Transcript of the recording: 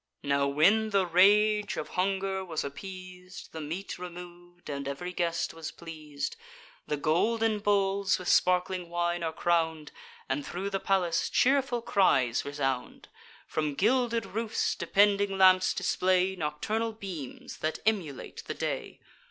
Now, when the rage of hunger was appeas'd, The meat remov'd, and ev'ry guest was pleas'd, The golden bowls with sparkling wine are crown'd, And thro' the palace cheerful cries resound. From gilded roofs depending lamps display Nocturnal beams, that emulate the day.